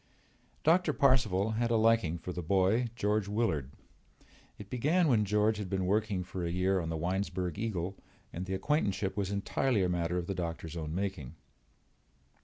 Doctor Parcival had a liking for the boy, George Willard. It began when George had been working for a year on the Winesburg Eagle and the acquaintanceship was entirely a matter of the doctor's own making.